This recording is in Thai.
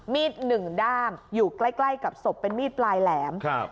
หนึ่งด้ามอยู่ใกล้ใกล้กับศพเป็นมีดปลายแหลมครับ